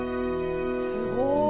すごい。